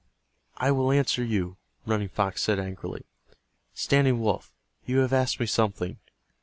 "I will answer you," Running Fox said, angrily. "Standing Wolf, you have asked me something.